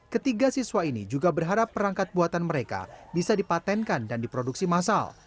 ketiga siswa ini juga berharap perangkat buatan mereka bisa dipatenkan dan diproduksi massal